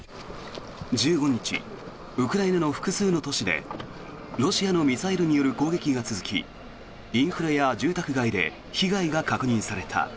１５日ウクライナの複数の都市でロシアのミサイルによる攻撃が続きインフラや住宅街で被害が確認された。